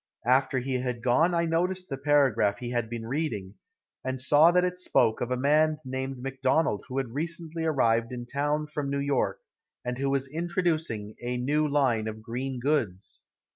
After he had gone I noticed the paragraph he had been reading, and saw that it spoke of a man named Macdonald who had recently arrived in town from New York, and who was introducing a new line of green goods.